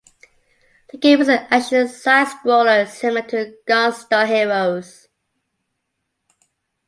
The game is an action side-scroller similar to "Gunstar Heroes".